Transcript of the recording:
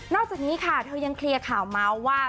อกจากนี้ค่ะเธอยังเคลียร์ข่าวเมาส์ว่า